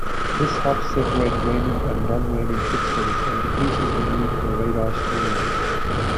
This helps separate raining and non-raining pixels and decreases the need for radar screening.